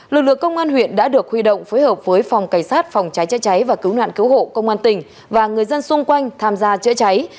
lực lượng công an huyện đã được huy động phối hợp với phòng cảnh sát phòng cháy chữa cháy và cứu nạn cứu hộ công an tỉnh và người dân xung quanh tham gia chữa cháy